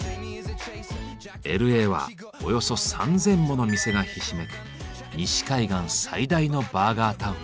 Ｌ．Ａ．はおよそ３，０００もの店がひしめく西海岸最大のバーガータウン。